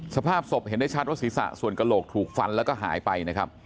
สภาพศพเห็นได้ชัดว่าศีรษะส่วนกระโหลกถูกฟันแล้วก็หายไปนะครับ